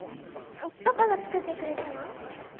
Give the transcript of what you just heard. パパが作ってくれたの？